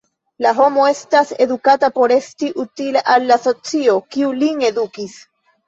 La homo estas edukata por esti utila al la socio, kiu lin edukis.